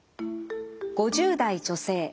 ５０代女性。